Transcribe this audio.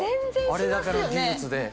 あれだけの技術で。